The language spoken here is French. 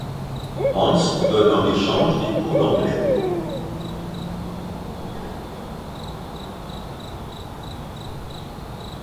Hans donne en échange des cours d’anglais.